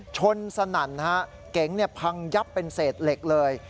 สนั่นฮะเก๋งพังยับเป็นเศษเหล็กเลย